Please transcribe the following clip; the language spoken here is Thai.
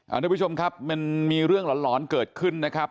ทุกผู้ชมครับมันมีเรื่องหลอนเกิดขึ้นนะครับ